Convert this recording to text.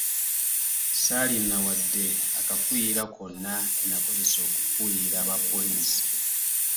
Ssaalina wadde akafuuyira konna ke nnakozesa okufuuyira aba poliisi.